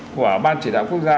của ban chỉ đạo quốc gia